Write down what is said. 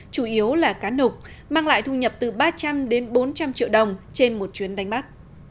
chủ yếu là cá nục mang lại thu nhập từ ba trăm linh đến bốn trăm linh triệu đồng trên một chuyến đánh bắt